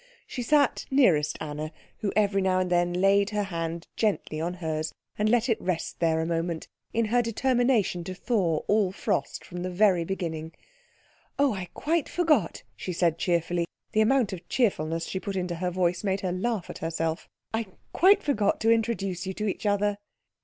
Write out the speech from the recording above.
She sat nearest Anna, who every now and then laid her hand gently on hers and let it rest there a moment, in her determination to thaw all frost from the very beginning. "Oh, I quite forgot," she said cheerfully the amount of cheerfulness she put into her voice made her laugh at herself "I quite forgot to introduce you to each other."